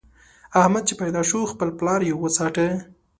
احمد چې پيدا شو؛ خپل پلار يې وڅاټه.